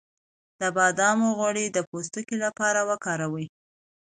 د بادام غوړي د پوستکي لپاره وکاروئ